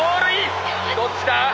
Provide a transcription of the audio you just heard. どっちだ？